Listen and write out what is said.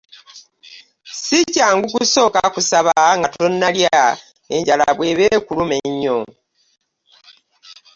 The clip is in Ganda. Si kyangu kusooka kusaba nga tonnalya enjala bw'eba ekuluma nnyo.